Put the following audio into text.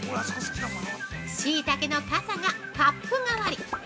◆しいたけの傘がカップ代わり！